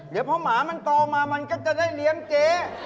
เดี๋ยวพอหมามันโตมามันก็จะได้เลี้ยงเจ๊